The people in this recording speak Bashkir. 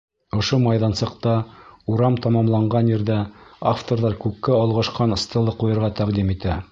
Ошо майҙансыҡта, урам тамамланған ерҙә, авторҙар күккә олғашҡан стела ҡуйырға тәҡдим итә.